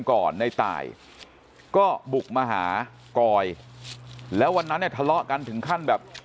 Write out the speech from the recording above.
ก่อนในตายก็บุกมาหากอยแล้ววันนั้นเนี่ยทะเลาะกันถึงขั้นแบบ